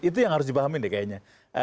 itu yang harus dipahamin deh kayaknya